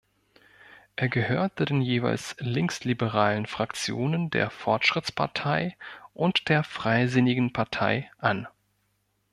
Er gehörte den jeweils linksliberalen Fraktionen der Fortschrittspartei und der Freisinnigen Partei an.